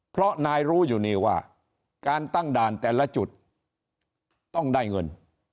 เพราะนายรู้อยู่นี่ว่าการตั้งด่านแต่ละจุดต้องได้เงิน